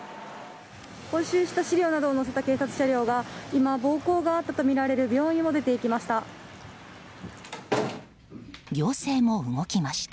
押収した資料などを載せた警察車両が今、暴行があったとみられる病院を出て行きました。